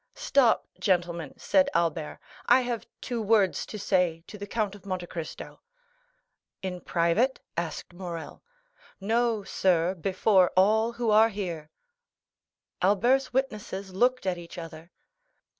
"Stop, gentlemen," said Albert; "I have two words to say to the Count of Monte Cristo." "In private?" asked Morrel. "No, sir; before all who are here." Albert's witnesses looked at each other.